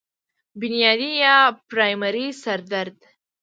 بنيادي يا پرائمري سر درد